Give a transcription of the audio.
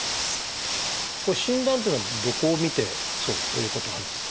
診断っていうのはどこを見てそうということはあるんですか？